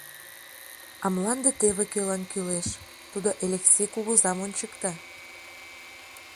А мланде теве кӧлан кӱлеш, — тудо Элексей кугызам ончыкта.